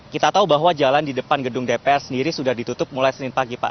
kita tahu bahwa jalan di depan gedung dpr sendiri sudah ditutup mulai senin pagi pak